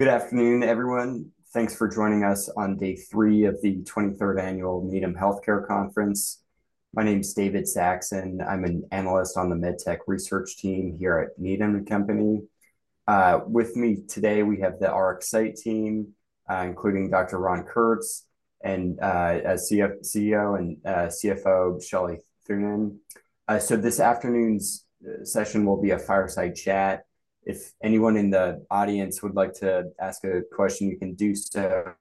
Good afternoon, everyone. Thanks for joining us on Day 3 of the 23rd Annual Needham Healthcare Conference. My name is David Saxon. I'm an analyst on the MedTech Research Team here at Needham & Company. With me today, we have the RxSight team, including Dr. Ron Kurtz and CEO and CFO Shelley Thunen. This afternoon's session will be a fireside chat. If anyone in the audience would like to ask a question, you can do so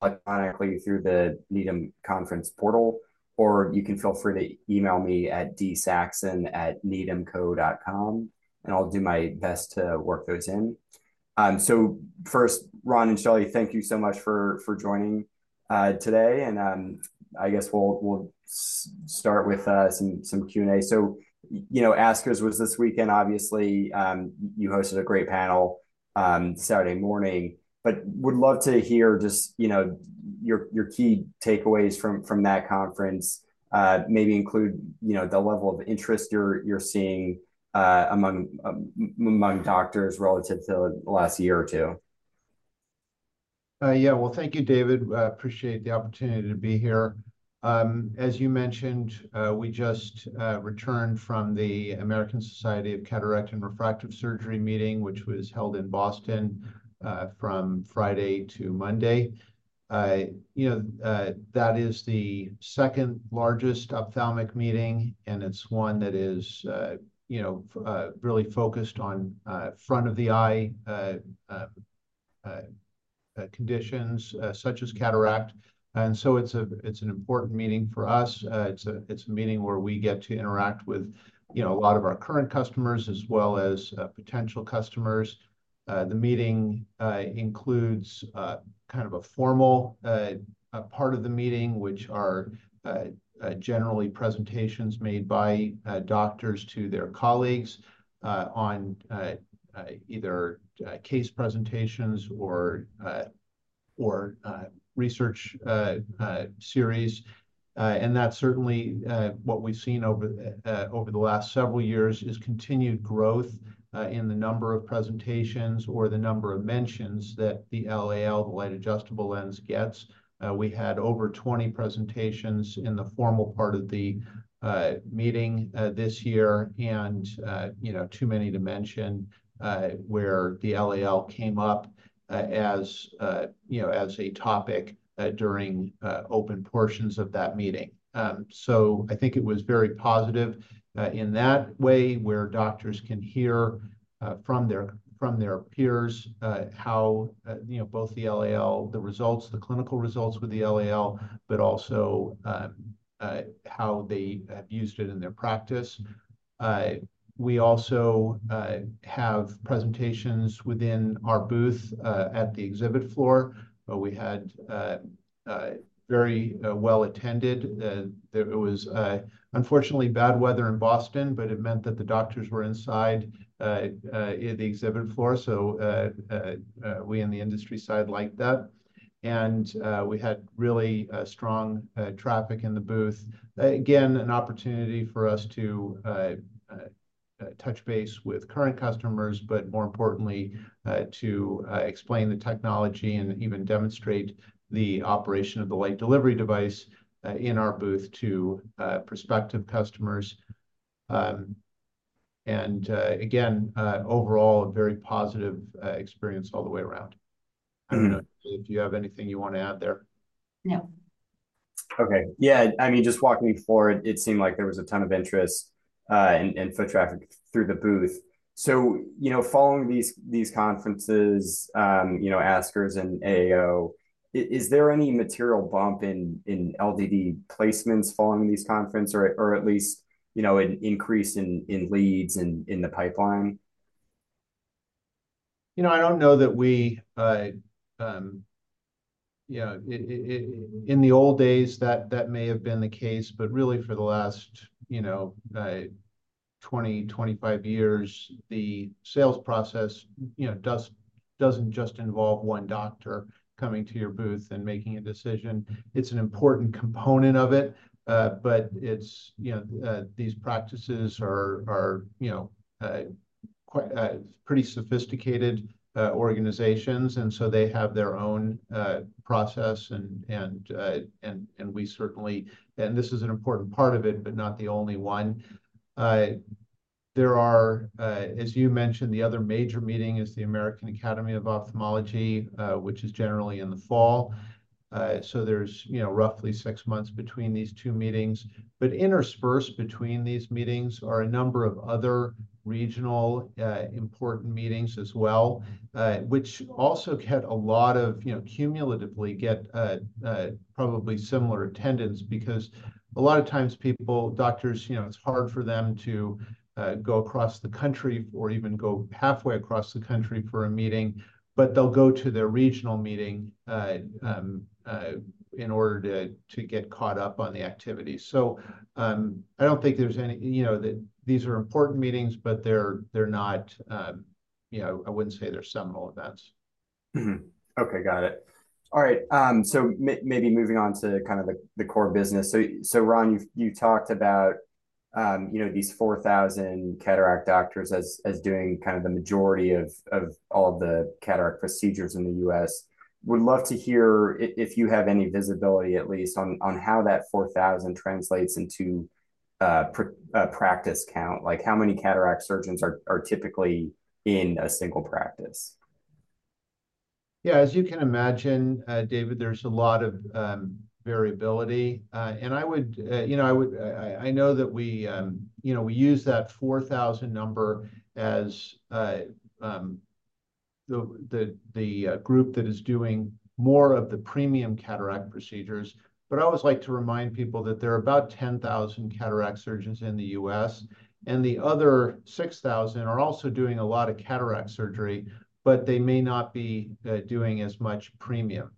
electronically through the Needham Conference portal, or you can feel free to email me at dsaxon@needhamco.com, and I'll do my best to work those in. First, Ron and Shelley, thank you so much for joining today. I guess we'll start with some Q&A. ASCRS was this weekend, obviously. You hosted a great panel Saturday morning. Would love to hear just your key takeaways from that conference, maybe include the level of interest you're seeing among doctors relative to the last year or two. Yeah. Well, thank you, David. I appreciate the opportunity to be here. As you mentioned, we just returned from the American Society of Cataract and Refractive Surgery meeting, which was held in Boston from Friday to Monday. That is the second-largest ophthalmic meeting, and it's one that is really focused on front-of-the-eye conditions such as cataract. And so it's an important meeting for us. It's a meeting where we get to interact with a lot of our current customers as well as potential customers. The meeting includes kind of a formal part of the meeting, which are generally presentations made by doctors to their colleagues on either case presentations or research series. And that's certainly what we've seen over the last several years, is continued growth in the number of presentations or the number of mentions that the LAL, the Light-Adjustable Lens, gets. We had over 20 presentations in the formal part of the meeting this year and too many to mention where the LAL came up as a topic during open portions of that meeting. So I think it was very positive in that way where doctors can hear from their peers how both the LAL, the results, the clinical results with the LAL, but also how they have used it in their practice. We also have presentations within our booth at the exhibit floor. We had very well attended. It was unfortunately bad weather in Boston, but it meant that the doctors were inside the exhibit floor. So we in the industry side liked that. And we had really strong traffic in the booth. Again, an opportunity for us to touch base with current customers, but more importantly, to explain the technology and even demonstrate the operation of the Light Delivery Device in our booth to prospective customers. And again, overall, a very positive experience all the way around. I don't know if you have anything you want to add there. No. Okay. Yeah. I mean, just walking me forward, it seemed like there was a ton of interest and foot traffic through the booth. Following these conferences, ASCRS and AAO, is there any material bump in LDD placements following these conferences, or at least an increase in leads in the pipeline? I don't know that we, in the old days, that may have been the case. But really, for the last 20, 25 years, the sales process doesn't just involve 1 doctor coming to your booth and making a decision. It's an important component of it. But these practices are pretty sophisticated organizations, and so they have their own process. And we certainly, and this is an important part of it, but not the only one. As you mentioned, the other major meeting is the American Academy of Ophthalmology, which is generally in the fall. So there's roughly 6 months between these two meetings. But interspersed between these meetings are a number of other regional important meetings as well, which also get a lot of, cumulatively, probably similar attendance because a lot of times, doctors, it's hard for them to go across the country or even go halfway across the country for a meeting, but they'll go to their regional meeting in order to get caught up on the activities. So I don't think there's any that these are important meetings, but they're not I wouldn't say they're seminal events. Okay. Got it. All right. So maybe moving on to kind of the core business. So, Ron, you talked about these 4,000 cataract doctors as doing kind of the majority of all of the cataract procedures in the U.S. Would love to hear if you have any visibility, at least, on how that 4,000 translates into practice count. How many cataract surgeons are typically in a single practice? Yeah. As you can imagine, David, there's a lot of variability. And I would know that we use that 4,000 number as the group that is doing more of the premium cataract procedures. But I always like to remind people that there are about 10,000 cataract surgeons in the US, and the other 6,000 are also doing a lot of cataract surgery, but they may not be doing as much premium.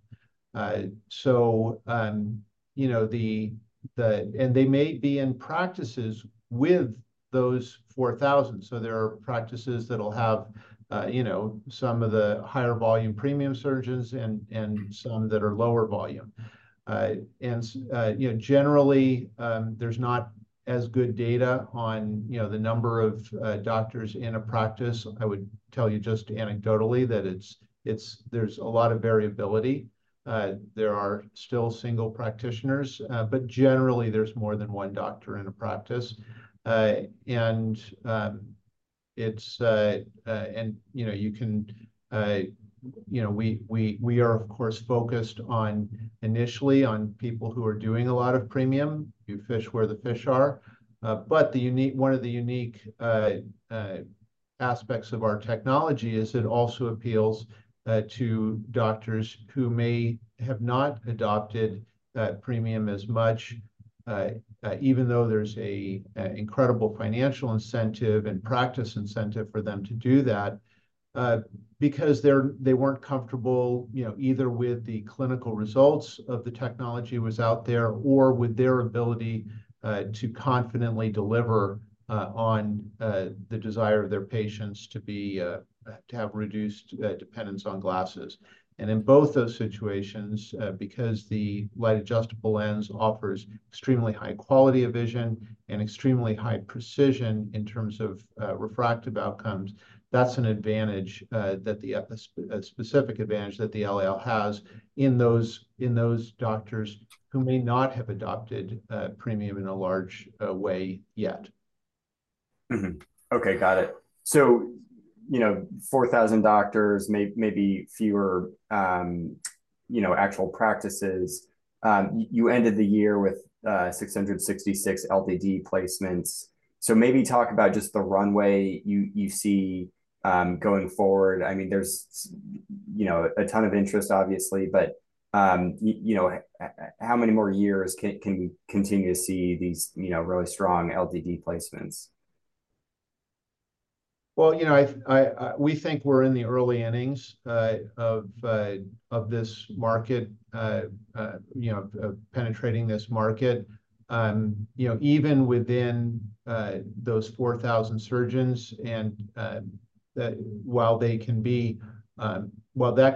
So, and they may be in practices with those 4,000. So there are practices that'll have some of the higher-volume premium surgeons and some that are lower volume. And generally, there's not as good data on the number of doctors in a practice. I would tell you just anecdotally that there's a lot of variability. There are still single practitioners, but generally, there's more than one doctor in a practice. We are, of course, focused initially on people who are doing a lot of premium. You fish where the fish are. But one of the unique aspects of our technology is it also appeals to doctors who may have not adopted premium as much, even though there's an incredible financial incentive and practice incentive for them to do that, because they weren't comfortable either with the clinical results of the technology was out there or with their ability to confidently deliver on the desire of their patients to have reduced dependence on glasses. And in both those situations, because the Light Adjustable Lens offers extremely high quality of vision and extremely high precision in terms of refractive outcomes, that's an advantage, a specific advantage that the LAL has in those doctors who may not have adopted premium in a large way yet. Okay. Got it. So 4,000 doctors, maybe fewer actual practices. You ended the year with 666 LDD placements. So maybe talk about just the runway you see going forward. I mean, there's a ton of interest, obviously, but how many more years can we continue to see these really strong LDD placements? Well, we think we're in the early innings of this market, penetrating this market. Even within those 4,000 surgeons, and while that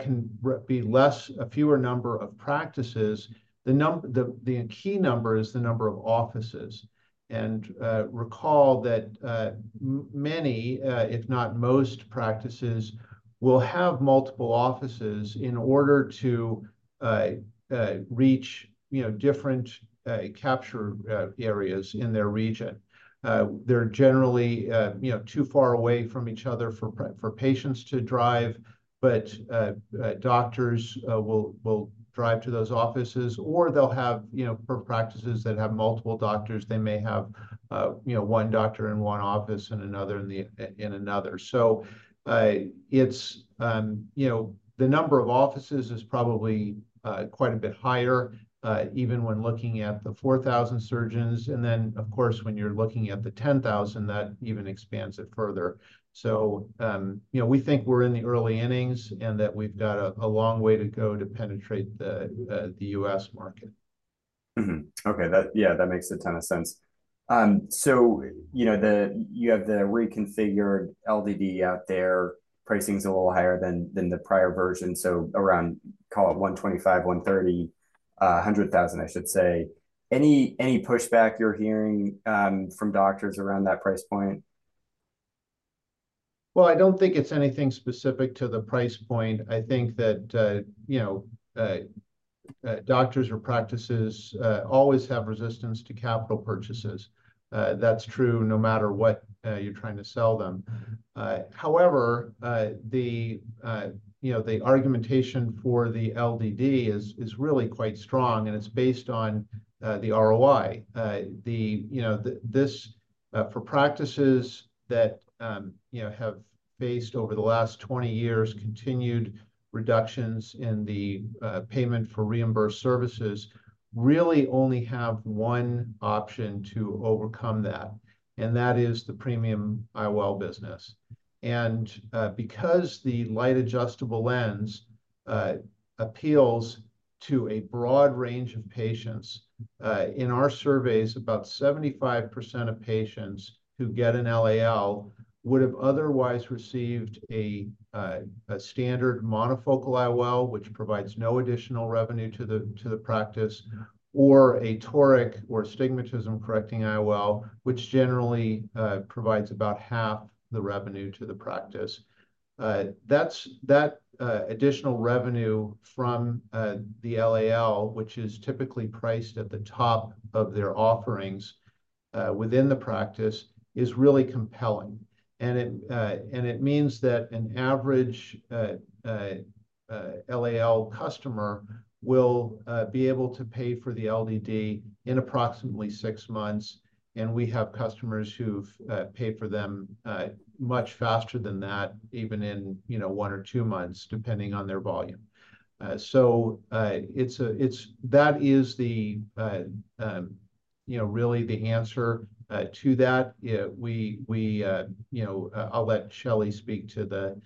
can be less, a fewer number of practices, the key number is the number of offices. And recall that many, if not most, practices will have multiple offices in order to reach different capture areas in their region. They're generally too far away from each other for patients to drive, but doctors will drive to those offices. Or they'll have practices that have multiple doctors. They may have one doctor in one office and another in another. So the number of offices is probably quite a bit higher, even when looking at the 4,000 surgeons. And then, of course, when you're looking at the 10,000, that even expands it further. We think we're in the early innings and that we've got a long way to go to penetrate the U.S. market. Okay. Yeah. That makes a ton of sense. So you have the reconfigured LDD out there. Pricing's a little higher than the prior version, so around, call it, $125,000-$130,000, I should say. Any pushback you're hearing from doctors around that price point? Well, I don't think it's anything specific to the price point. I think that doctors or practices always have resistance to capital purchases. That's true no matter what you're trying to sell them. However, the argumentation for the LDD is really quite strong, and it's based on the ROI. For practices that have faced over the last 20 years continued reductions in the payment for reimbursed services, really only have one option to overcome that, and that is the premium IOL business. And because the Light Adjustable Lens appeals to a broad range of patients, in our surveys, about 75% of patients who get an LAL would have otherwise received a standard monofocal IOL, which provides no additional revenue to the practice, or a toric or astigmatism-correcting IOL, which generally provides about half the revenue to the practice. That additional revenue from the LAL, which is typically priced at the top of their offerings within the practice, is really compelling. It means that an average LAL customer will be able to pay for the LDD in approximately 6 months. We have customers who've paid for them much faster than that, even in 1 or 2 months, depending on their volume. That is really the answer to that. I'll let Shelley speak to the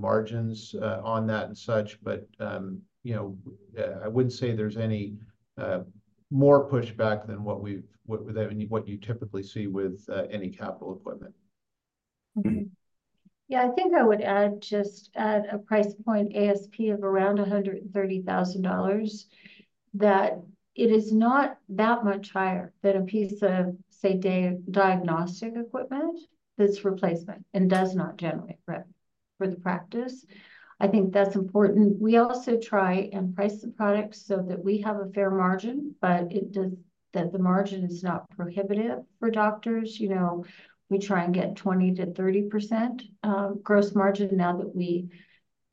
margins on that and such, but I wouldn't say there's any more pushback than what you typically see with any capital equipment. Yeah. I think I would add just at a price point, ASP, of around $130,000, that it is not that much higher than a piece of, say, diagnostic equipment that's replacement and does not generate revenue for the practice. I think that's important. We also try and price the product so that we have a fair margin, but that the margin is not prohibitive for doctors. We try and get 20%-30% gross margin now that we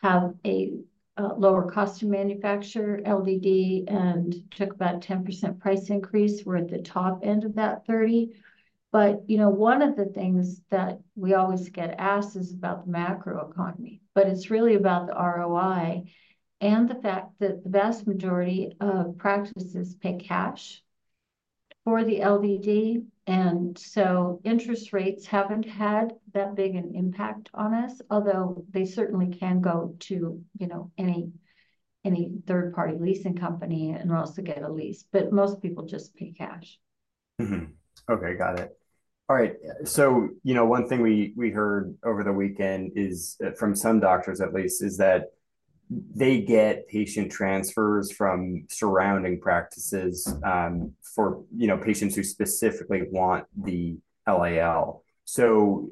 have a lower-cost-to-manufacture LDD and took about a 10% price increase. We're at the top end of that 30%. But one of the things that we always get asked is about the macroeconomy, but it's really about the ROI and the fact that the vast majority of practices pay cash for the LDD. Interest rates haven't had that big an impact on us, although they certainly can go to any third-party leasing company, and we'll also get a lease. Most people just pay cash. Okay. Got it. All right. So one thing we heard over the weekend from some doctors, at least, is that they get patient transfers from surrounding practices for patients who specifically want the LAL. So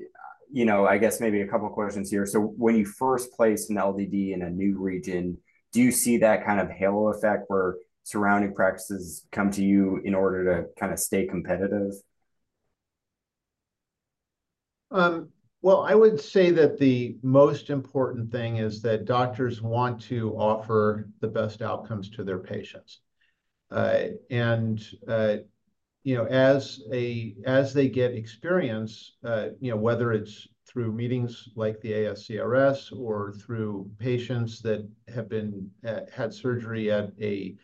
I guess maybe a couple of questions here. So when you first place an LDD in a new region, do you see that kind of halo effect where surrounding practices come to you in order to kind of stay competitive? Well, I would say that the most important thing is that doctors want to offer the best outcomes to their patients. And as they get experience, whether it's through meetings like the ASCRS or through patients that have had surgery at a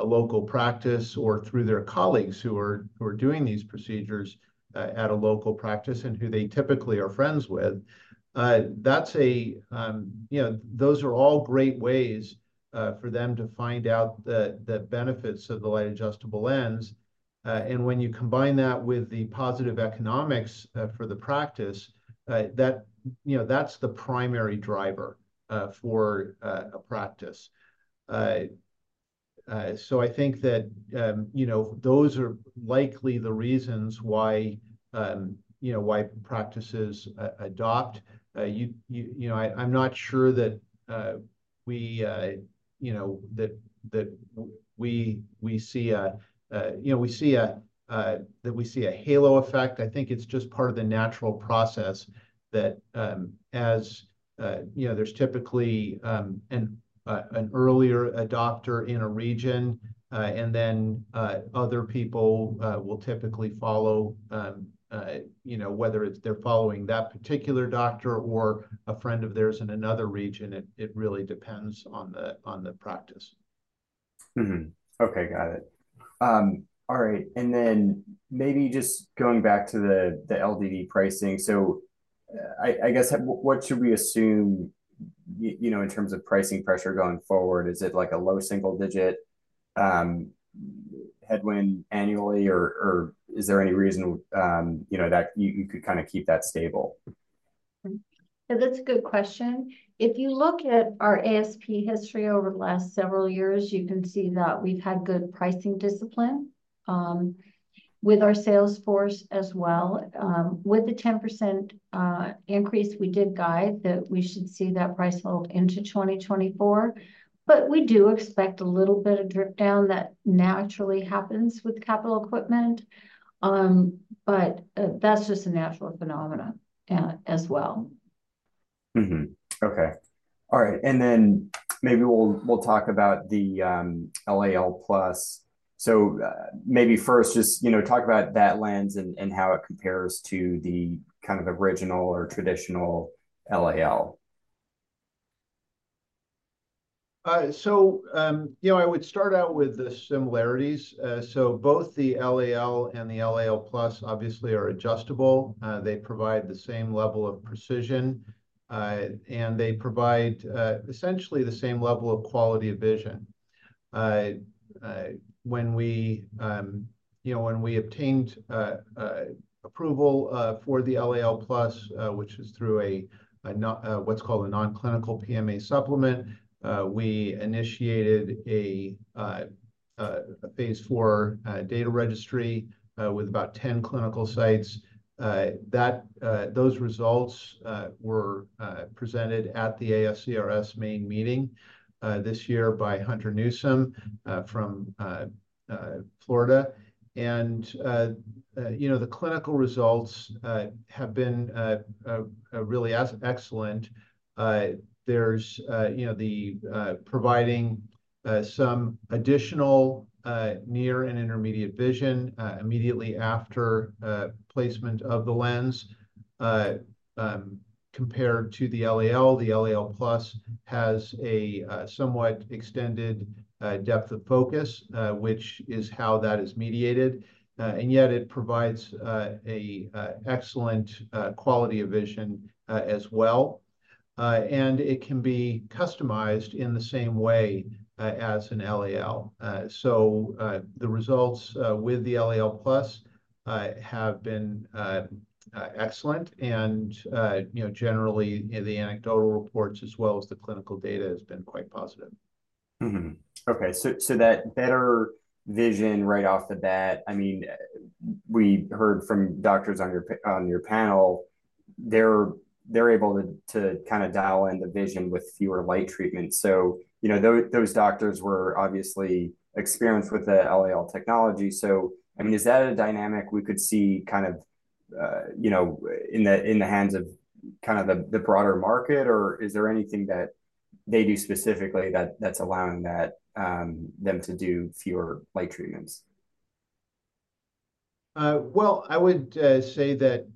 local practice or through their colleagues who are doing these procedures at a local practice and who they typically are friends with, those are all great ways for them to find out the benefits of the Light Adjustable Lens. And when you combine that with the positive economics for the practice, that's the primary driver for a practice. So I think that those are likely the reasons why practices adopt. I'm not sure that we see a halo effect. I think it's just part of the natural process that as there's typically an earlier adopter in a region, and then other people will typically follow, whether it's they're following that particular doctor or a friend of theirs in another region. It really depends on the practice. Okay. Got it. All right. And then maybe just going back to the LDD pricing. So I guess what should we assume in terms of pricing pressure going forward? Is it like a low single-digit headwind annually, or is there any reason that you could kind of keep that stable? Yeah. That's a good question. If you look at our ASP history over the last several years, you can see that we've had good pricing discipline with our sales force as well. With the 10% increase we did guide, that we should see that price hold into 2024. But we do expect a little bit of drift down. That naturally happens with capital equipment, but that's just a natural phenomenon as well. Okay. All right. And then maybe we'll talk about the LAL Plus. So maybe first, just talk about that lens and how it compares to the kind of original or traditional LAL. I would start out with the similarities. Both the LAL and the LAL Plus, obviously, are adjustable. They provide the same level of precision, and they provide essentially the same level of quality of vision. When we obtained approval for the LAL Plus, which is through what's called a non-clinical PMA supplement, we initiated a phase 4 data registry with about 10 clinical sites. Those results were presented at the ASCRS main meeting this year by Hunter Newsom from Florida. The clinical results have been really excellent. They're providing some additional near and intermediate vision immediately after placement of the lens compared to the LAL. The LAL Plus has a somewhat extended depth of focus, which is how that is mediated. Yet, it provides an excellent quality of vision as well. It can be customized in the same way as an LAL. The results with the LAL Plus have been excellent. Generally, the anecdotal reports as well as the clinical data has been quite positive. Okay. So that better vision right off the bat. I mean, we heard from doctors on your panel, they're able to kind of dial in the vision with fewer light treatments. So those doctors were obviously experienced with the LAL technology. So I mean, is that a dynamic we could see kind of in the hands of kind of the broader market, or is there anything that they do specifically that's allowing them to do fewer light treatments? Well, I would say that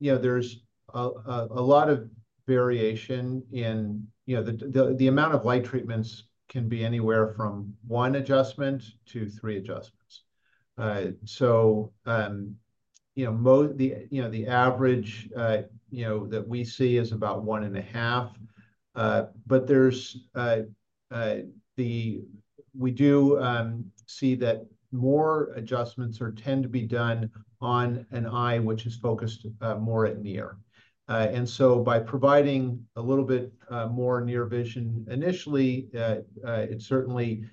there's a lot of variation in the amount of light treatments can be anywhere from 1 adjustment to 3 adjustments. So the average that we see is about 1.5. But we do see that more adjustments tend to be done on an eye, which is focused more at near. And so by providing a little bit more near vision initially, it certainly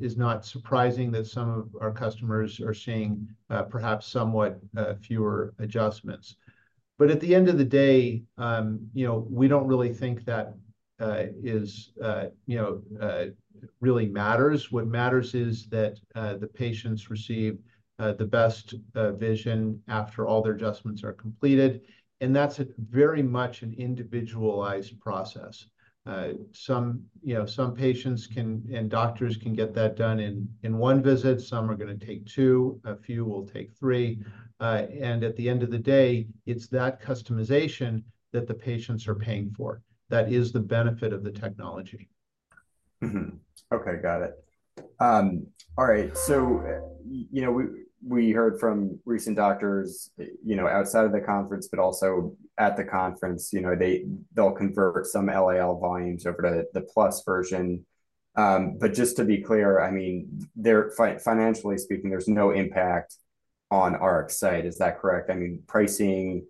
is not surprising that some of our customers are seeing perhaps somewhat fewer adjustments. But at the end of the day, we don't really think that really matters. What matters is that the patients receive the best vision after all their adjustments are completed. And that's very much an individualized process. Some patients and doctors can get that done in 1 visit. Some are going to take 2. A few will take 3. At the end of the day, it's that customization that the patients are paying for. That is the benefit of the technology. Okay. Got it. All right. So we heard from recent doctors outside of the conference, but also at the conference, they'll convert some LAL volumes over to the Plus version. But just to be clear, I mean, financially speaking, there's no impact on RxSight. Is that correct? I mean, pricing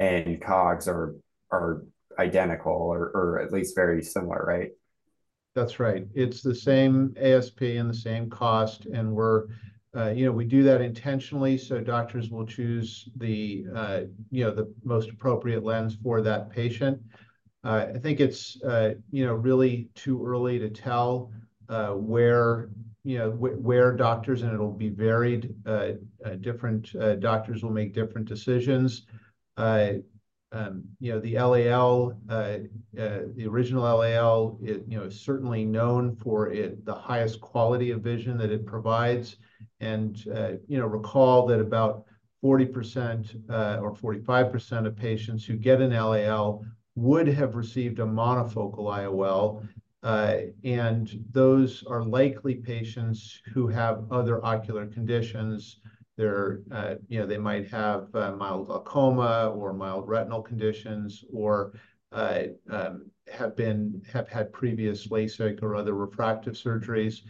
and COGS are identical or at least very similar, right? That's right. It's the same ASP and the same cost. We do that intentionally so doctors will choose the most appropriate lens for that patient. I think it's really too early to tell where doctors, and it'll be varied. Different doctors will make different decisions. The original LAL is certainly known for the highest quality of vision that it provides. Recall that about 40% or 45% of patients who get an LAL would have received a monofocal IOL. Those are likely patients who have other ocular conditions. They might have mild glaucoma or mild retinal conditions or have had previous LASIK or other refractive surgeries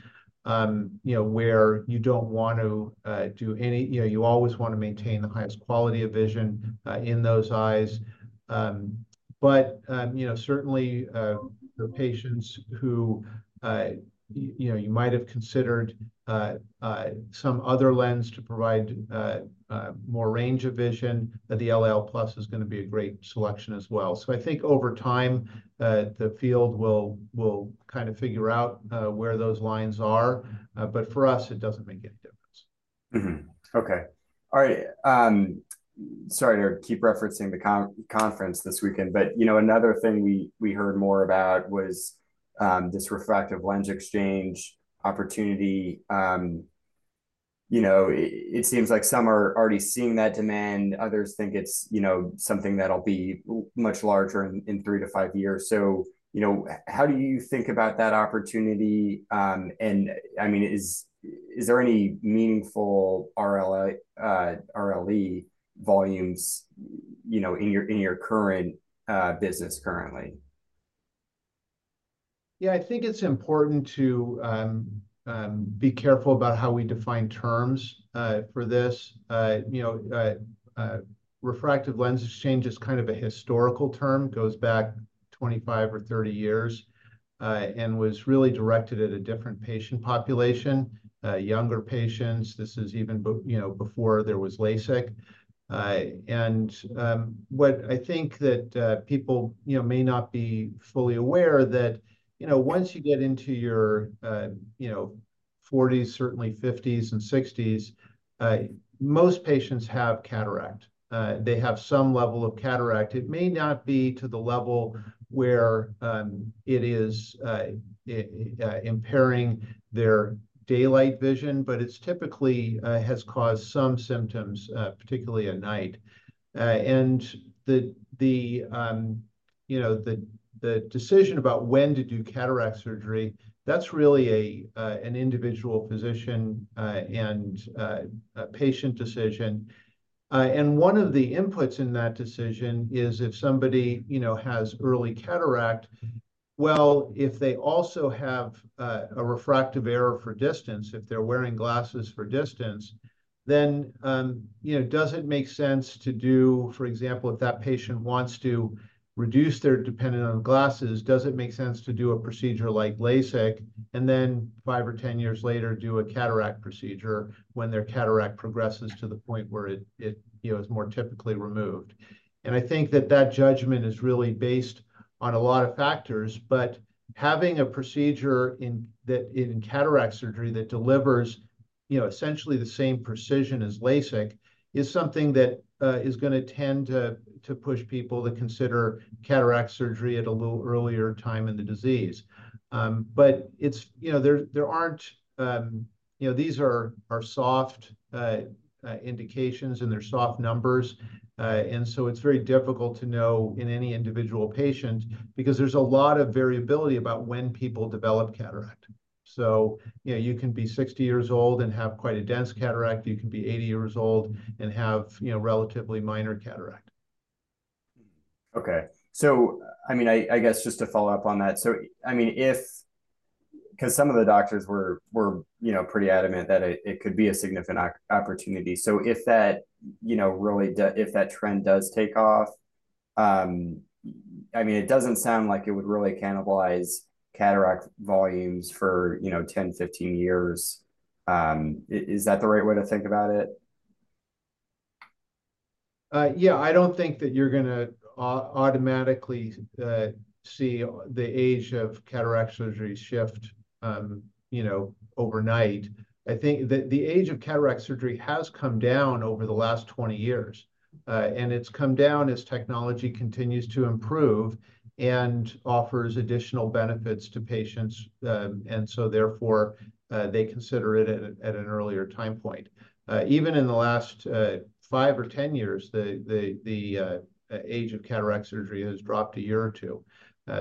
where you don't want to do any you always want to maintain the highest quality of vision in those eyes. But certainly, for patients who you might have considered some other lens to provide more range of vision, the LAL Plus is going to be a great selection as well. So I think over time, the field will kind of figure out where those lines are. But for us, it doesn't make any difference. Okay. All right. Sorry to keep referencing the conference this weekend, but another thing we heard more about was this refractive lens exchange opportunity. It seems like some are already seeing that demand. Others think it's something that'll be much larger in three to five years. So how do you think about that opportunity? And I mean, is there any meaningful RLE volumes in your current business currently? Yeah. I think it's important to be careful about how we define terms for this. Refractive lens exchange is kind of a historical term, goes back 25 or 30 years, and was really directed at a different patient population, younger patients. This is even before there was LASIK. And what I think that people may not be fully aware that once you get into your 40s, certainly 50s and 60s, most patients have cataract. They have some level of cataract. It may not be to the level where it is impairing their daylight vision, but it typically has caused some symptoms, particularly at night. And the decision about when to do cataract surgery, that's really an individual physician and patient decision. One of the inputs in that decision is if somebody has early cataract, well, if they also have a refractive error for distance, if they're wearing glasses for distance, then does it make sense to do, for example, if that patient wants to reduce their dependence on glasses, does it make sense to do a procedure like LASIK and then five or 10 years later do a cataract procedure when their cataract progresses to the point where it is more typically removed? I think that that judgment is really based on a lot of factors. But having a procedure in cataract surgery that delivers essentially the same precision as LASIK is something that is going to tend to push people to consider cataract surgery at a little earlier time in the disease. But these are soft indications, and they're soft numbers. It's very difficult to know in any individual patient because there's a lot of variability about when people develop cataract. You can be 60 years old and have quite a dense cataract. You can be 80 years old and have relatively minor cataract. Okay. So I mean, I guess just to follow up on that, so I mean, if because some of the doctors were pretty adamant that it could be a significant opportunity. So if that really if that trend does take off, I mean, it doesn't sound like it would really cannibalize cataract volumes for 10, 15 years. Is that the right way to think about it? Yeah. I don't think that you're going to automatically see the age of cataract surgery shift overnight. I think that the age of cataract surgery has come down over the last 20 years. And it's come down as technology continues to improve and offers additional benefits to patients. And so therefore, they consider it at an earlier time point. Even in the last 5 or 10 years, the age of cataract surgery has dropped a year or two.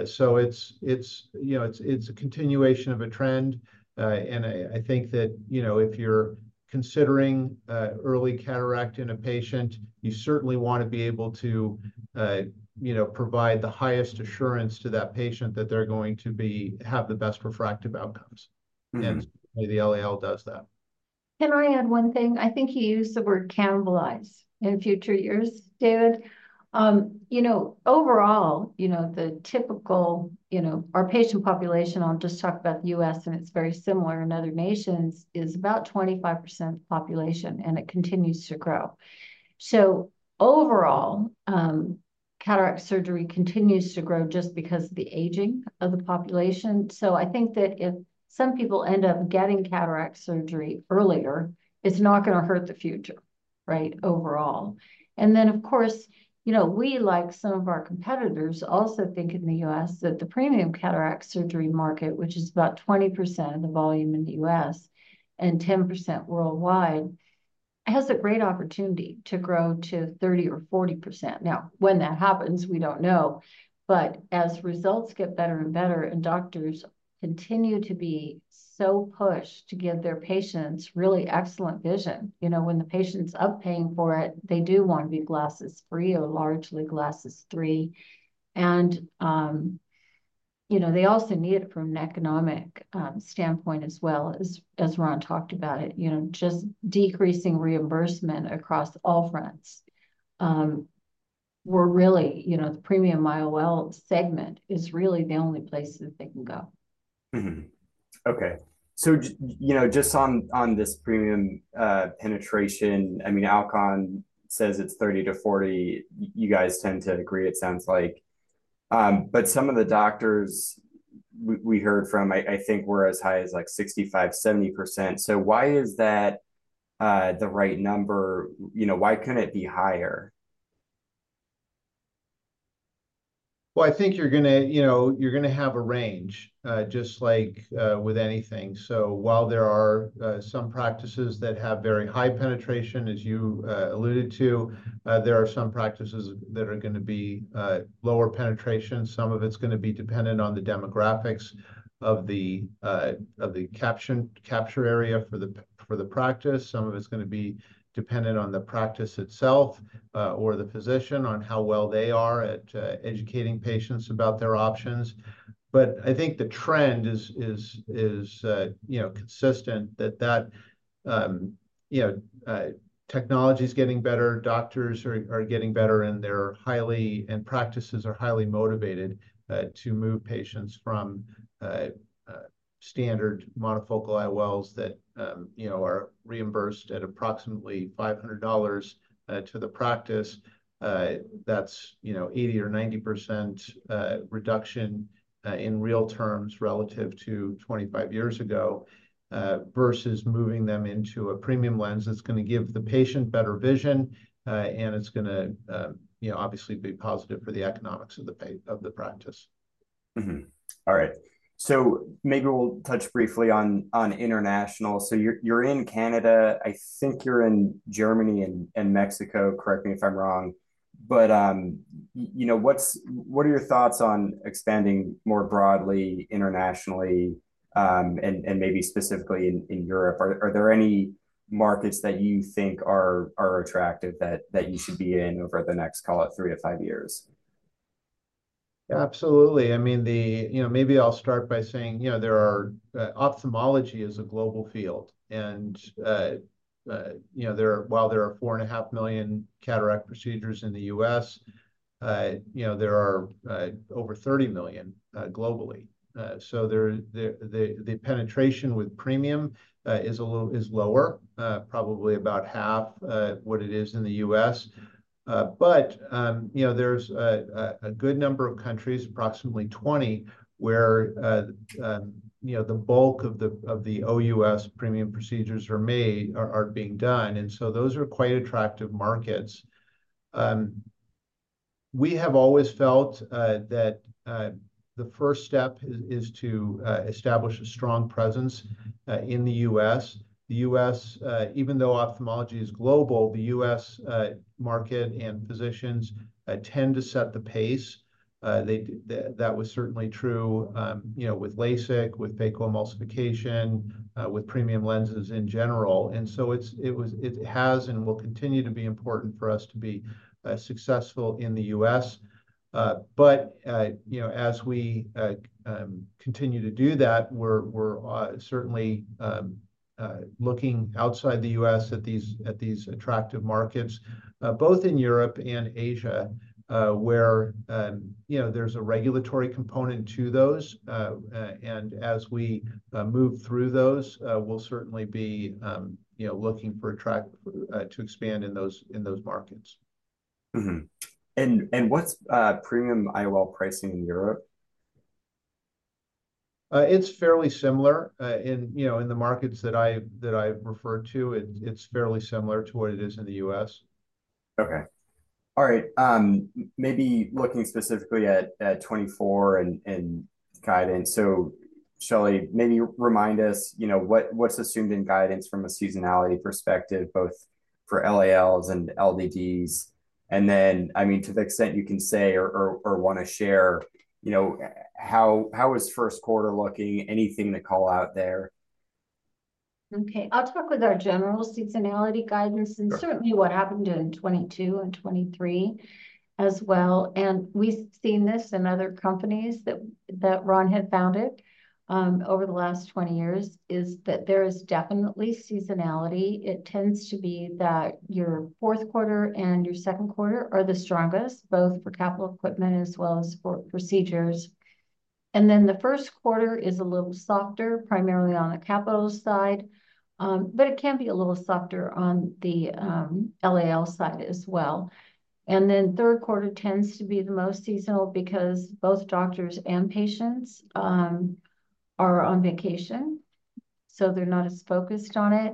So it's a continuation of a trend. And I think that if you're considering early cataract in a patient, you certainly want to be able to provide the highest assurance to that patient that they're going to have the best refractive outcomes. And certainly, the LAL does that. Can I add one thing? I think you used the word cannibalize in future years, David. Overall, the typical our patient population, I'll just talk about the US, and it's very similar in other nations, is about 25% population, and it continues to grow. So overall, cataract surgery continues to grow just because of the aging of the population. So I think that if some people end up getting cataract surgery earlier, it's not going to hurt the future, right, overall. And then, of course, we, like some of our competitors, also think in the US that the premium cataract surgery market, which is about 20% of the volume in the US and 10% worldwide, has a great opportunity to grow to 30% or 40%. Now, when that happens, we don't know. But as results get better and better and doctors continue to be so pushed to give their patients really excellent vision, when the patient is paying for it, they do want to be glasses-free or largely glasses-free. They also need it from an economic standpoint as well, as Ron Kurtz talked about it, just decreasing reimbursement across all fronts. The premium IOL segment is really the only place that they can go. Okay. So just on this premium penetration, I mean, Alcon says it's 30%-40%. You guys tend to agree, it sounds like. But some of the doctors we heard from, I think, were as high as like 65%-70%. So why is that the right number? Why couldn't it be higher? Well, I think you're going to have a range just like with anything. So while there are some practices that have very high penetration, as you alluded to, there are some practices that are going to be lower penetration. Some of it's going to be dependent on the demographics of the capture area for the practice. Some of it's going to be dependent on the practice itself or the physician, on how well they are at educating patients about their options. But I think the trend is consistent that technology's getting better, doctors are getting better, and practices are highly motivated to move patients from standard monofocal IOLs that are reimbursed at approximately $500 to the practice. That's 80% or 90% reduction in real terms relative to 25 years ago versus moving them into a premium lens that's going to give the patient better vision, and it's going to obviously be positive for the economics of the practice. All right. So maybe we'll touch briefly on international. So you're in Canada. I think you're in Germany and Mexico. Correct me if I'm wrong. But what are your thoughts on expanding more broadly internationally and maybe specifically in Europe? Are there any markets that you think are attractive that you should be in over the next, call it, 3-5 years? Absolutely. I mean, maybe I'll start by saying, ophthalmology is a global field. And while there are 4.5 million cataract procedures in the U.S., there are over 30 million globally. So the penetration with premium is lower, probably about half what it is in the U.S. But there's a good number of countries, approximately 20, where the bulk of the OUS premium procedures are being done. And so those are quite attractive markets. We have always felt that the first step is to establish a strong presence in the U.S. Even though ophthalmology is global, the U.S. market and physicians tend to set the pace. That was certainly true with LASIK, with phacoemulsification, with premium lenses in general. And so it has and will continue to be important for us to be successful in the U.S. But as we continue to do that, we're certainly looking outside the U.S. at these attractive markets, both in Europe and Asia, where there's a regulatory component to those. And as we move through those, we'll certainly be looking to expand in those markets. What's premium IOL pricing in Europe? It's fairly similar. In the markets that I've referred to, it's fairly similar to what it is in the U.S. Okay. All right. Maybe looking specifically at 2024 and guidance. So Shelley, maybe remind us what's assumed in guidance from a seasonality perspective, both for LALs and LDDs. And then, I mean, to the extent you can say or want to share, how is first quarter looking? Anything to call out there? Okay. I'll talk with our general seasonality guidance and certainly what happened in 2022 and 2023 as well. We've seen this in other companies that Ron had founded over the last 20 years, is that there is definitely seasonality. It tends to be that your fourth quarter and your second quarter are the strongest, both for capital equipment as well as for procedures. Then the first quarter is a little softer, primarily on the capital side. It can be a little softer on the LAL side as well. Then third quarter tends to be the most seasonal because both doctors and patients are on vacation. So they're not as focused on it.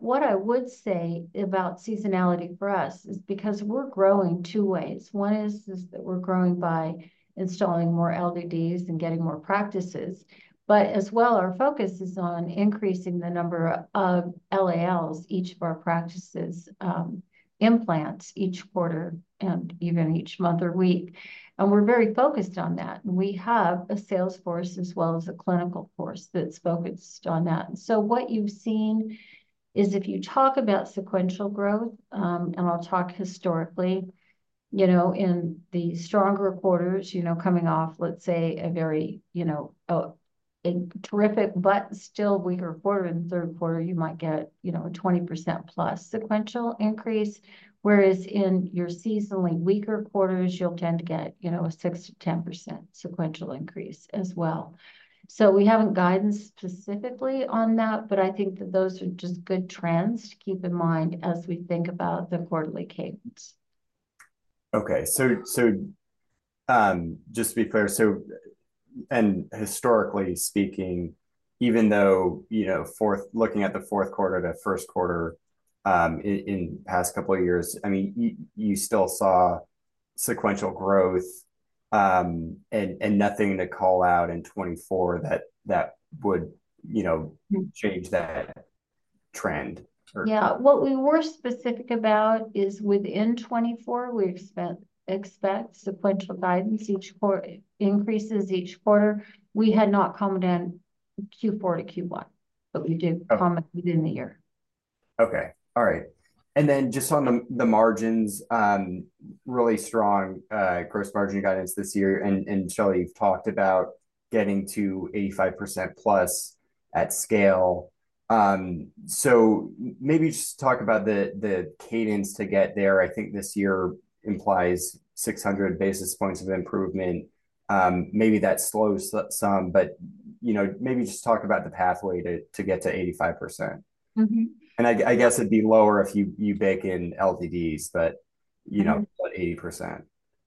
What I would say about seasonality for us is because we're growing two ways. One is that we're growing by installing more LDDs and getting more practices. But as well, our focus is on increasing the number of LALs, each of our practices' implants each quarter and even each month or week. And we're very focused on that. And we have a sales force as well as a clinical force that's focused on that. And so what you've seen is if you talk about sequential growth, and I'll talk historically, in the stronger quarters coming off, let's say, a very terrific but still weaker quarter and third quarter, you might get a 20%+ sequential increase. Whereas in your seasonally weaker quarters, you'll tend to get a 6%-10% sequential increase as well. So we haven't guidance specifically on that, but I think that those are just good trends to keep in mind as we think about the quarterly cadence. Okay. So just to be clear, and historically speaking, even though looking at the fourth quarter to first quarter in the past couple of years, I mean, you still saw sequential growth and nothing to call out in 2024 that would change that trend or? Yeah. What we were specific about is within 2024, we expect sequential guidance, increases each quarter. We had not commented on Q4 to Q1, but we did comment within the year. Okay. All right. And then just on the margins, really strong gross margin guidance this year. And Shelley, you've talked about getting to 85%-plus at scale. So maybe just talk about the cadence to get there. I think this year implies 600 basis points of improvement. Maybe that slows some, but maybe just talk about the pathway to get to 85%. And I guess it'd be lower if you bake in LDDs, but 80%.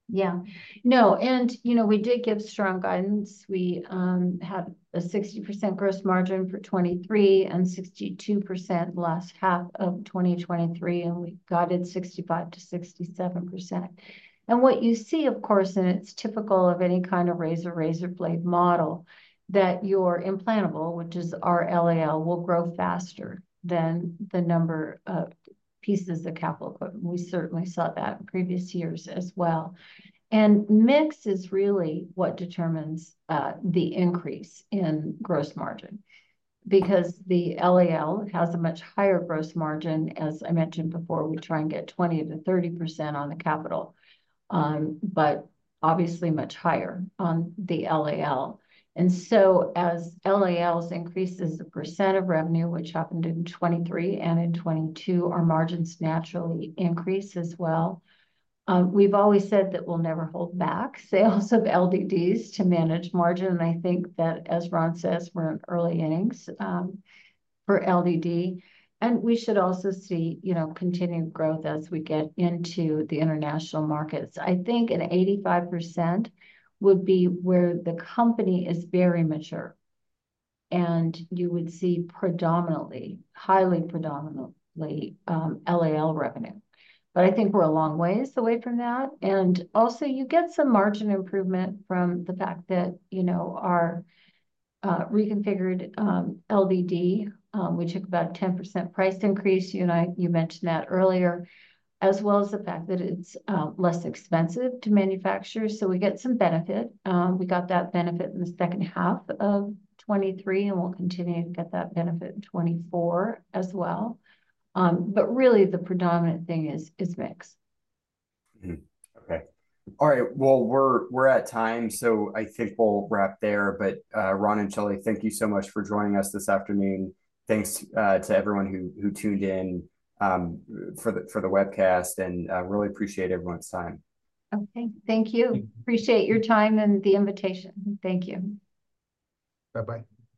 Yeah. No. We did give strong guidance. We had a 60% gross margin for 2023 and 62% last half of 2023, and we got it 65%-67%. What you see, of course, and it's typical of any kind of razor-razor-blade model, that your implantable, which is our LAL, will grow faster than the number of pieces of capital equipment. We certainly saw that in previous years as well. Mix is really what determines the increase in gross margin because the LAL has a much higher gross margin. As I mentioned before, we try and get 20%-30% on the capital, but obviously much higher on the LAL. So as LALs increase the percent of revenue, which happened in 2023 and in 2022, our margins naturally increase as well. We've always said that we'll never hold back sales of LDDs to manage margin. And I think that, as Ron says, we're in early innings for LDD. And we should also see continued growth as we get into the international markets. I think an 85% would be where the company is very mature, and you would see predominantly, highly predominantly, LAL revenue. But I think we're a long ways away from that. And also, you get some margin improvement from the fact that our reconfigured LDD, we took about a 10% price increase, you mentioned that earlier, as well as the fact that it's less expensive to manufacture. So we get some benefit. We got that benefit in the second half of 2023, and we'll continue to get that benefit in 2024 as well. But really, the predominant thing is mix. Okay. All right. Well, we're at time, so I think we'll wrap there. But Ron and Shelley, thank you so much for joining us this afternoon. Thanks to everyone who tuned in for the webcast, and really appreciate everyone's time. Okay. Thank you. Appreciate your time and the invitation. Thank you. Bye-bye.